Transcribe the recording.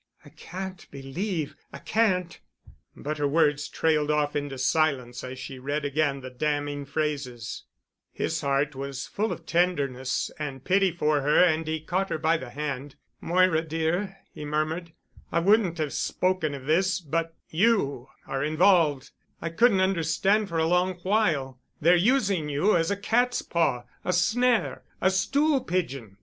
"I can't believe—I can't——," but her words trailed off into silence as she read again the damning phrases. His heart was full of tenderness and pity for her and he caught her by the hand. "Moira, dear," he murmured, "I wouldn't have spoken of this—but you are involved—I couldn't understand for a long while. They're using you as a cat's paw—a snare—a stool pigeon.